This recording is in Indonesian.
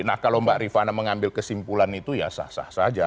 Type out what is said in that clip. nah kalau mbak rifana mengambil kesimpulan itu ya sah sah saja